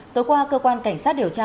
tối qua cơ quan cảnh sát điều tra